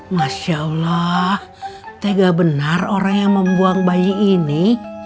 masya allah tega benar orang yang membuang bayi ini